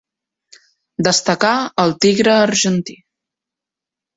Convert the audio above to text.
Destacà al Tigre argentí.